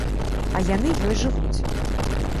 А яны ёй жывуць.